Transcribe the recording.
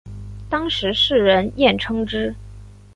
当时世人艳称之。